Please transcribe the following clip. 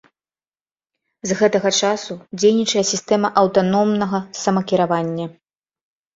З гэтага часу дзейнічае сістэма аўтаномнага самакіравання.